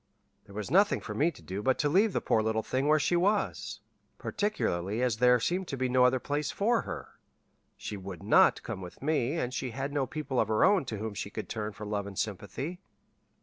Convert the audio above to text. There was nothing for me to do but to leave the poor little thing where she was, particularly as there seemed to be no other place for her. She would not come with me, and she had no people of her own to whom she could turn for love and sympathy.